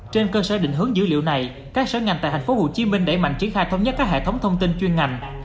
trên cơ sở định hướng dữ liệu này các sở ngành tại tp hcm đẩy mạnh triển khai thống nhất các hệ thống thông tin chuyên ngành